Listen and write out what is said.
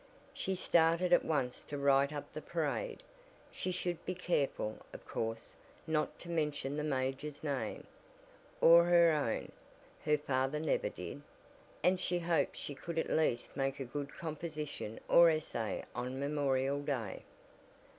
She started at once to write up the parade. She should be careful, of course, not to mention the major's name, or her own (her father never did) and she hoped she could at least make a good composition or essay on Memorial Day.